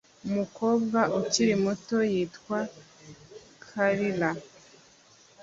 umukobwa ukiri muto witwa Carla